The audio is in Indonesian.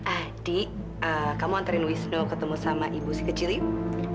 adik kamu anterin wisnu ketemu sama ibu si kecil ibu